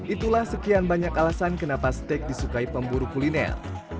itulah sekian banyak alasan kenapa steak disukai pemburu kuliner